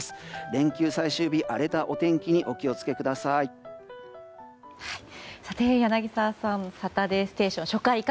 連休最終日、荒れたお天気にお気を付けください。